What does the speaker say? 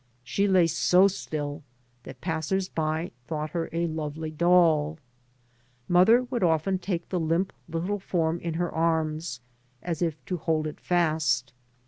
She lay so still that pas sers by thought her a lovely dolL Mother would often take the Ump little form in her arms, as if to hold it fast.